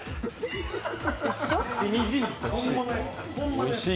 おいしい。